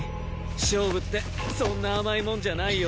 勝負ってそんな甘いもんじゃないよ。